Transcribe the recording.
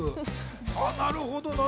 なるほど。